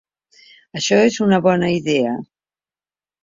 Això és una bona idea!